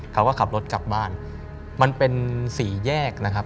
เขาก็ขับรถกลับบ้านมันเป็นสี่แยกนะครับ